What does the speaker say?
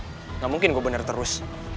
tidak mungkin gue bener terus